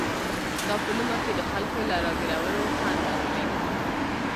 دا په لومه کې د خلکو له را ګيرولو خوند اخلي.